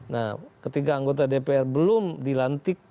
nah ketika anggota dpr belum dilantik